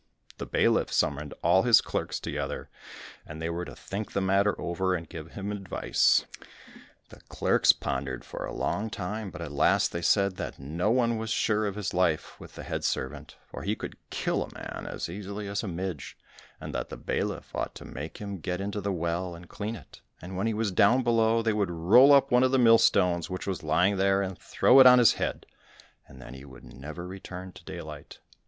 The bailiff summoned all his clerks together, and they were to think the matter over, and give him advice. The clerks pondered for a long time, but at last they said that no one was sure of his life with the head servant, for he could kill a man as easily as a midge, and that the bailiff ought to make him get into the well and clean it, and when he was down below, they would roll up one of the mill stones which was lying there, and throw it on his head; and then he would never return to daylight.